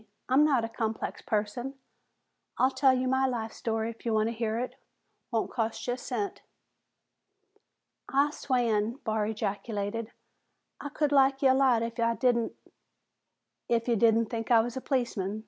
I'm not a complex person. I'll tell you my life story if you want to hear it. Won't cost you a cent." "I swan!" Barr ejaculated. "I could like ye a lot if'n I didn't " "If you didn't think I was a policeman?